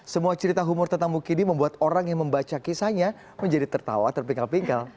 semua cerita humor tentang mukidi membuat orang yang membaca kisahnya menjadi tertawa terpinggal pinggal